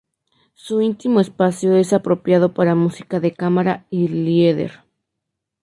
Su íntimo espacio es apropiado para música de cámara y lieder.